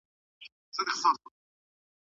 هغه یوازې یو کس و چې نه تسلیمېدو.